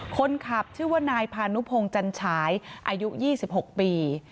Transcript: คนขับชื่อว่านายพานุพงศ์จันฉายอายุ๒๖ปี